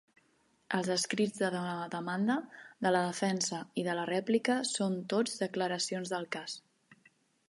Els escrits de la Demanda, de la Defensa i de la Rèplica són tots declaracions del cas.